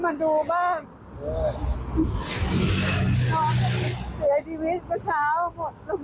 รับผิดชอบ